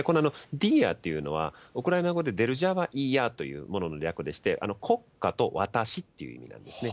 ディーアというのは、ウクライナ語で、というものの略でして、国家と私という意味なんですね。